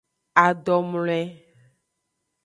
Adomloe.